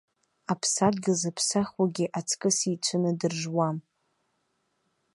Аԥсадгьыл зыԥсахуагьы аҵкыс еицәаны дыржуам.